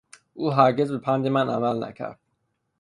او هرگز به پند من عمل نکرد.